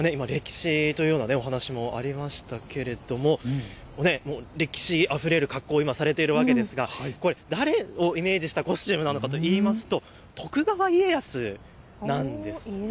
今、歴史のお話もありましたが歴史あふれる格好をされていますがこれは誰をイメージしたコスチュームかといいますと徳川家康なんです。